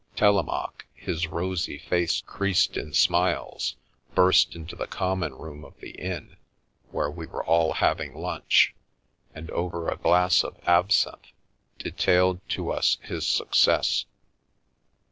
Telemaque, his rosy face creased in smiles, burst into the common room of the inn, where we were all having lunch, and, over a glass of absinthe, detailed to us his success.